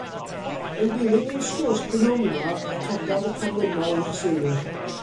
Yn dilyn ein sgwrs prynhawn yma, atodaf y canlynol i'ch sylw